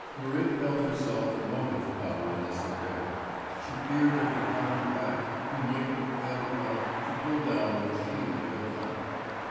Marit felt herself the motive power in this affair. She feared that behind her back he might be prevailed upon to pull down what she had built up.